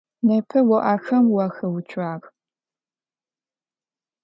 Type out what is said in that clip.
Непэ о ахэм уахэуцуагъ.